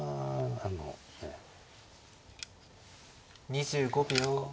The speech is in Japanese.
２５秒。